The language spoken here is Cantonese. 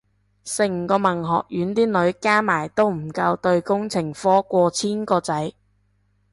成個文學院啲女加埋都唔夠對工程科過千個仔